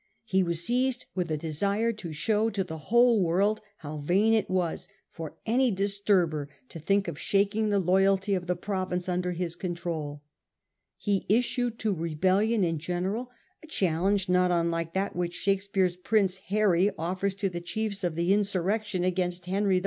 He was seized with a desire to show to the whole world how vain it was for any disturber to think of shaking the loyalty of the pro vince under his control. He issued to rebellion in general a challenge not unlike that which Shake speare's Prince Harry offers to the chiefs of the in surrection against Henry IV.